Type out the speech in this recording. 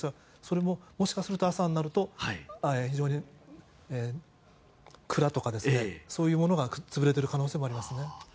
それももしかすると朝になると非常に蔵とかそういうものが潰れている可能性があります。